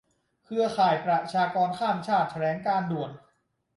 เครือข่ายประชากรข้ามชาติ แถลงการณ์ด่วน